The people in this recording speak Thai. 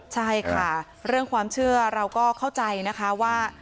ใช่ค่ะเรื่องความเชื่อเราก็เข้าใจนะคะว่า